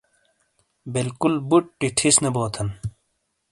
بلکل بُٹی ٹھِیس نے بو تھن۔